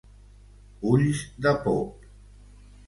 Ulls de pop.